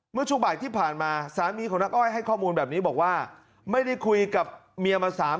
เมื่อช่วงบ่ายที่ผ่านมาสามีของนักอ้อยให้ข้อมูลแบบนี้บอกว่าไม่ได้คุยกับเมียมาสามปี